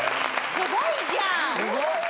すごいじゃん！